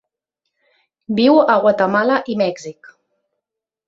Viu a Guatemala i Mèxic.